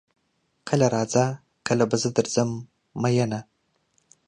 کله راځه کله به زه درځم میینه